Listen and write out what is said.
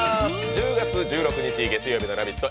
１０月１６日月曜日の「ラヴィット！」